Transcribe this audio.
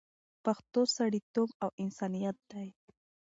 پښتو سړیتوب او انسانیت دی